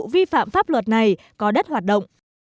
vì phạm pháp luật này có đất hoạt động